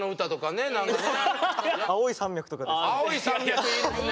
「青い山脈」いいですね。